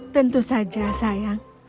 tentu saja sayang